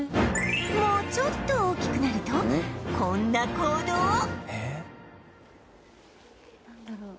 もうちょっと大きくなるとこんな行動をなんだろう？